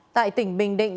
tại tỉnh bình định